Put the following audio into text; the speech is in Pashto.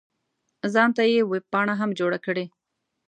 ځان ته یې ویبپاڼه هم جوړه کړې.